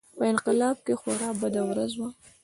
په انقلاب کې خورا بده ورځ وه.